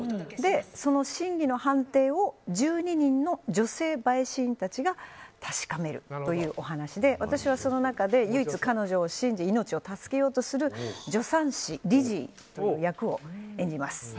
その審理の判定を１２人の女性陪審員たちが確かめるというお話で私はその中で唯一彼女を信じ命を助けようとする助産師の役を演じます。